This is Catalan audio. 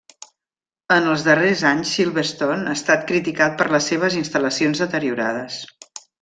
En els darrers anys Silverstone ha estat criticat per les seves instal·lacions deteriorades.